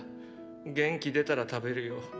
元気出たら食べるよ。